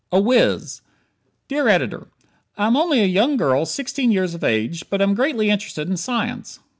"A Wiz" Dear Editor: I am only a young girl sixteen years of age but am greatly interested in science.